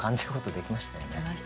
できましたね。